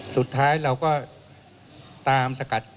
สุดท้ายเราก็ตามสกัด